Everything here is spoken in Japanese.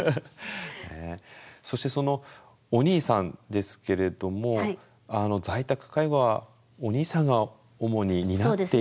そしてそのお兄さんですけれども在宅介護はお兄さんが主に担っていた？